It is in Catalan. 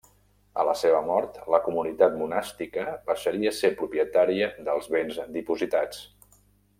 A la seva mort, la comunitat monàstica passaria a ser propietària dels béns dipositats.